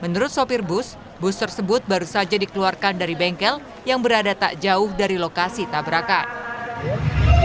menurut sopir bus bus tersebut baru saja dikeluarkan dari bengkel yang berada tak jauh dari lokasi tabrakan